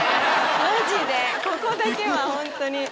マジでここだけはホントに。